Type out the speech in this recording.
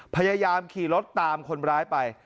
พยายามขี่รถตามคนร้ายไป